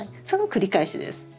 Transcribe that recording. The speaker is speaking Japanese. その繰り返しです。